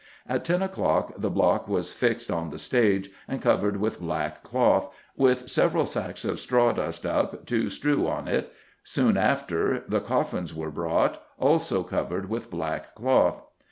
At ten o'clock the block was fixed on the stage and covered with black cloth, with several sacks of sawdust up to strew on it; soon after the coffins were brought, also covered with black cloth."